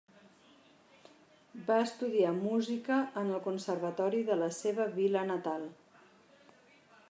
Va estudiar música en el conservatori de la seva vila natal.